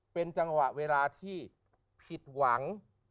เป็นจังหวะเวลาที่ผิดหวัง